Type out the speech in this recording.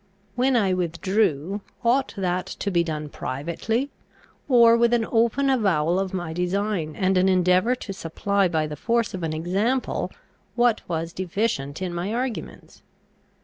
When I withdrew, ought that to be done privately, or with an open avowal of my design, and an endeavour to supply by the force of example what was deficient in my arguments?